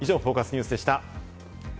ニュースでした。